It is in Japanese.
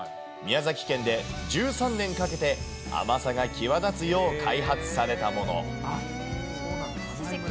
宮崎県で１３年かけて甘さが際立つよう開発されたもの。